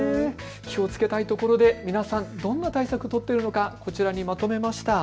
気をつけたいところで皆さん、どんな対策を取っているのか、こちらにまとめました。